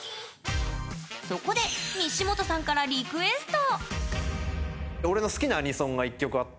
そこで西本さんからリクエスト。